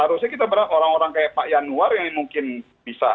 harusnya kita berharap orang orang kayak pak yanuar yang mungkin bisa